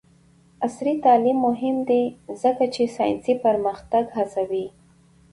عصري تعلیم مهم دی ځکه چې ساینسي پرمختګ هڅوي.